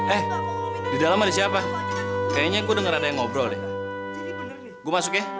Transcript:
eh di dalam ada siapa kayaknya gue denger ada yang ngobrol deh gue masuk ya